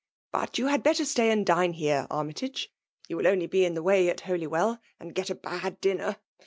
*' But you had better stay and dine here. Army tage 7 — Tou will only be in the way at Holywell, and get a bad dinner.